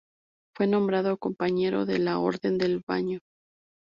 Fue nombrado compañero de la Orden del Baño.